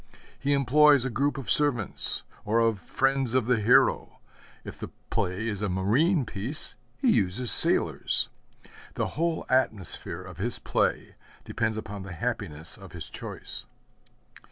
He employs a group of servants or of friends of the hero; if the play is a marine piece, he uses sailors. The whole atmosphere of his play depends upon the happiness of his choice.